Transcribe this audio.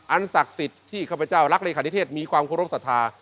ศักดิ์สิทธิ์ที่ข้าพเจ้ารักเลขานิเทศมีความเคารพสัทธา